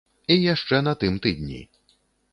І яшчэ на тым тыдні.